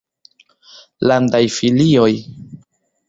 landaj filioj.